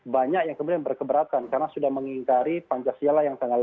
banyak yang kemudian berkeberatan karena sudah mengingkari pancasila yang tanggal delapan